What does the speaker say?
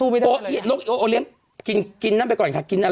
แบบว่าเอ่อเด็กเราได้เข้าร้ายการ